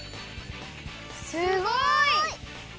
すごい！